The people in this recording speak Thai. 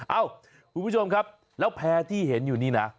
เอ้าคุณผู้ชมครับแล้วแพร่ที่เห็นอยู่นี่นะ